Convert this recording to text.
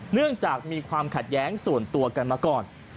เนื่องจากมีความขัดแย้งส่วนตัวกันมาก่อน